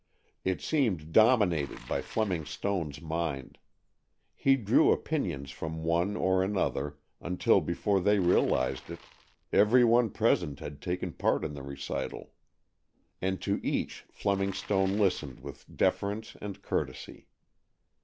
It seemed dominated by Fleming Stone's mind. He drew opinions from one or another, until before they realized it every one present had taken part in the recital. And to each Fleming Stone listened with deference and courtesy.